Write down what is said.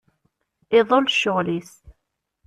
Iḍul ccɣel-is.